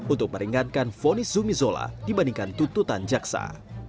untuk meringankan fonis zumi zola dibandingkan tuntutan jaksa